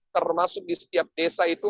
termasuk di setiap desa itu